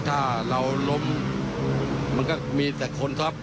ถ้าเราล้มมันก็มีแต่คนท็อป